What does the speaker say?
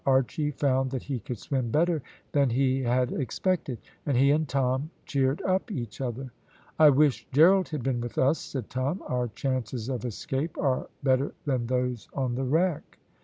Archy found that he could swim better than he had expected, and he and Tom cheered up each other. "I wish Gerald had been with us," said Tom. "Our chances of escape are better than those on the wreck."